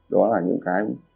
đó là những cái